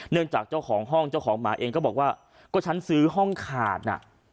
จากเจ้าของห้องเจ้าของหมาเองก็บอกว่าก็ฉันซื้อห้องขาดน่ะ